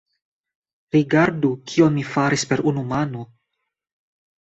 Rigardu kion mi faris per unu mano!